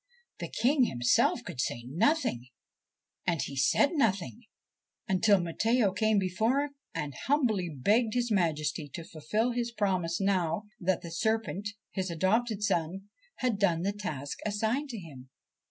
The King himself could say nothing, and he said nothing, until 35 THE SERPENT PRINCE Matteo came before him and humbly begged his Majesty to fulfil his promise now that the serpent, his adopted son, had done the task assigned to him.